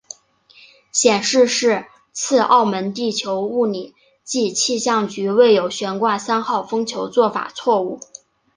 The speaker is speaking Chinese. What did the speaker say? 显示是次澳门地球物理暨气象局未有悬挂三号风球做法错误。